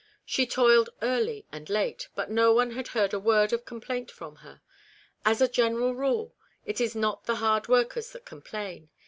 She toiled early and late, but no one had heard a word of complaint from her. As a general rule it is not the hardworkers that complain.